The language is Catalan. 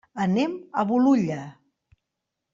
Anem a Bolulla.